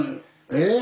えっ？